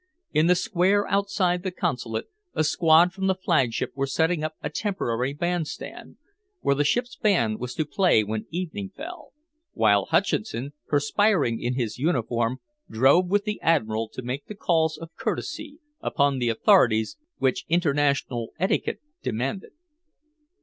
In the square outside the Consulate a squad from the flagship were setting up a temporary band stand, where the ship's band was to play when evening fell, while Hutcheson, perspiring in his uniform, drove with the Admiral to make the calls of courtesy upon the authorities which international etiquette demanded.